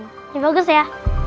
ini bagus ya